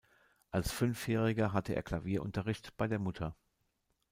Als Fünfjähriger hatte er Klavierunterricht bei der Mutter.